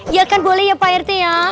iya kan boleh ya pak rt ya